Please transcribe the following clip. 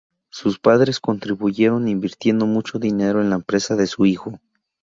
Sus padres contribuyeron invirtiendo mucho dinero en la empresa de su hijo.